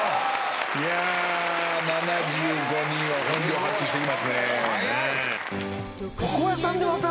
いや７５人は本領発揮してきますね。